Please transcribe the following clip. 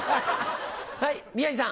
はい宮治さん。